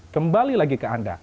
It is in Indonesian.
kembali lagi ke anda